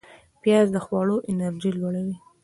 پیاز د خواړو انرژی لوړوي